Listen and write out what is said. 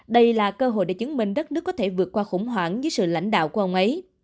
đây là cơ hội để chứng minh đất nước có thể vượt qua khủng hoảng dưới sự lãnh đạo của ông ấy